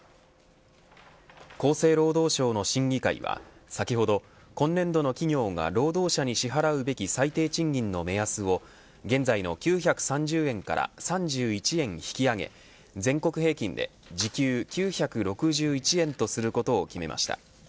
厚生労働省の審議会は先ほど今年度の企業が労働者に支払うべき最低賃金の目安を現在の９３０円から３１円引き上げ全国平均で時給９６１円とすることを決めました。